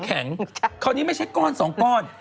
แข็งคราวนี้ไม่ใช่ก้อนสองก้อน